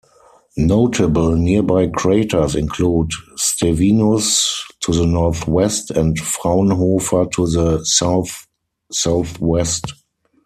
Notable nearby craters include Stevinus to the northwest and Fraunhofer to the south-southwest.